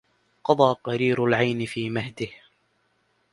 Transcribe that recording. قضى قرير العينِ في مهدِه